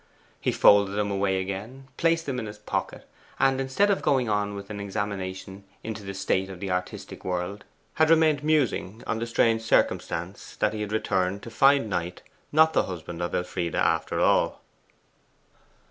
He folded them away again, placed them in his pocket, and instead of going on with an examination into the state of the artistic world, had remained musing on the strange circumstance that he had returned to find Knight not the husband of Elfride after all.